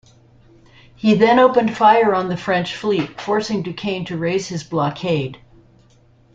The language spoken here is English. He then opened fire on the French fleet, forcing Duquesne to raise his blockade.